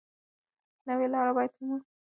نوې لاره باید ومومو.